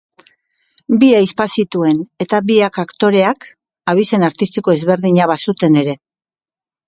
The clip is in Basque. Bi ahizpa zituen, eta biak aktoreak, abizen artistiko ezberdina bazuten ere.